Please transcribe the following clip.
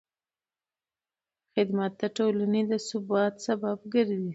خدمت د ټولنې د ثبات سبب ګرځي.